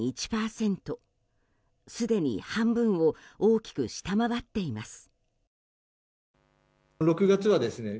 すでに半分を大きく下回っています。